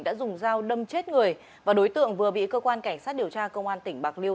đã dùng dao đâm chết người và đối tượng vừa bị cơ quan cảnh sát điều tra công an tỉnh bạc liêu